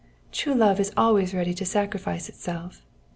"true love is always ready to sacrifice itself."